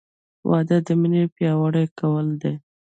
• واده د مینې پیاوړی کول دي.